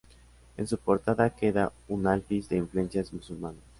En su portada queda un alfiz de influencias musulmanas.